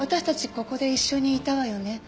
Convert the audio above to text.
ここで一緒にいたわよね？